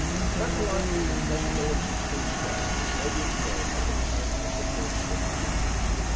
That the life was a tranquil and contented one may be inferred by the character of the Fourth Symphony.